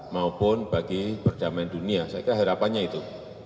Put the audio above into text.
maupun bagi perdamaian dunia saya kira harapannya itu